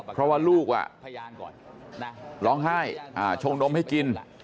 เพราะว่าลูกร้องไห้ชงนมให้กิน